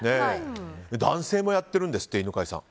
男性もやってるんですって犬飼さん。